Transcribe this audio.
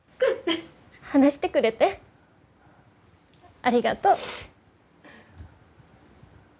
話してくれてありがとう。